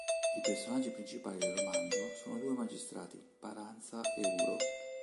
I personaggi principali del romanzo sono due magistrati, Paranza e Uro.